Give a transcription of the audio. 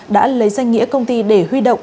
đã lấy danh nghĩa công ty để huy động